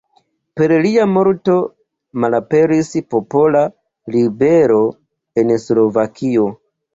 Per lia morto malaperis popola ribelo en Slovakio.